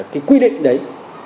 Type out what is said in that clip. cái quy định đấy